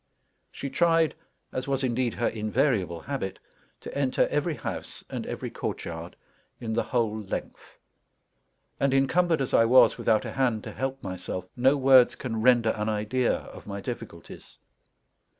She tried, as was indeed her invariable habit, to enter every house and every courtyard in the whole length; and, encumbered as I was, without a hand to help myself, no words can render an idea of my difficulties.